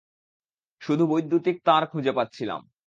শুধু বৈদ্যুতিক তার খুঁজে পাচ্ছিলাম।